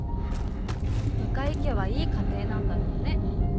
向井家はいい家庭なんだろうね。